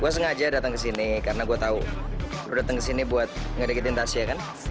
gua sengaja datang ke sini karena gua tahu lu datang ke sini buat ngedekitin tasya kan